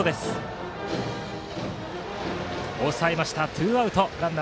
ツーアウト。